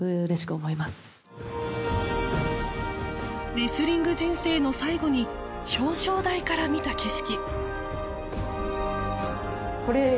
レスリング人生の最後に表彰台から見た景色